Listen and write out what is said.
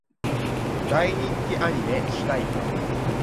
大人気アニメ主題歌